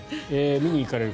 見に行かれる方